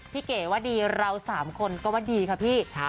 เก๋ว่าดีเรา๓คนก็ว่าดีค่ะพี่